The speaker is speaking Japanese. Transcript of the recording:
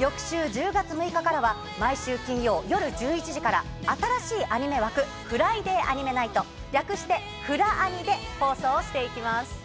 翌週１０月６日からは毎週金曜夜１１時から新しいアニメ枠「ＦＲＹＤＡＹＡＮＩＭＥＮＩＧＨＴ」略して「フラアニ」で放送をしていきます。